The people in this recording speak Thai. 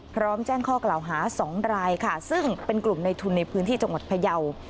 พร้อมแจ้งข้อกล่าวหา๒รายค่ะซึ่งเป็นกลุ่มในทุนในพื้นที่จังหวัดพยาว